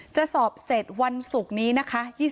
จะสอบเสร็จวันศุกร์นี้นะคะ